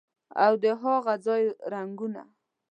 او د هاغه ځای رنګونه